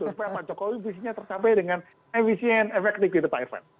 supaya pak jokowi visinya tercapai dengan efisien efektif gitu pak irfan